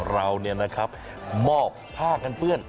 เราเนี่ยนะครับมอบผ้ากันเปื้อน